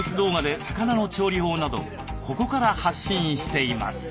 ここから発信しています。